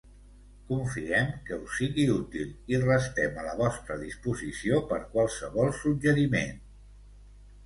Confiem que us sigui útil i restem a la vostra disposició per qualsevol suggeriment.